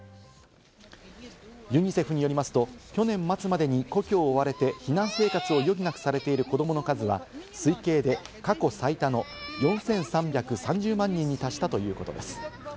ユニセフによりますと、去年末までに故郷を追われて避難生活を余儀なくされている子どもの数は推計で過去最多の４３３０万人に達したということです。